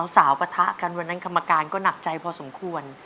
สาวปะทะกันวันนั้นกรรมการก็หนักใจพอสมควร